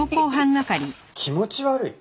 気持ち悪い？